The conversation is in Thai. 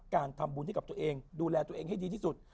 การทำบุญให้กับตัวเองดูแลตัวเองให้ดีที่สุด